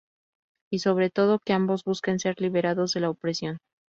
Y sobre todo que ambos busquen ser liberados de la opresión.